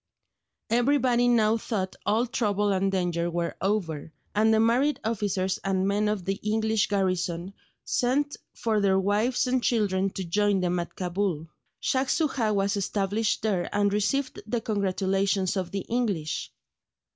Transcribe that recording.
Everybody now thought all trouble and danger were over, and the married officers and men of the English garrison sent for their wives and children to join them at Cabul. Shaj Soojah was established there and received the congratulations of the English.